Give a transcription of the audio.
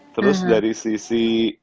terus dari sisi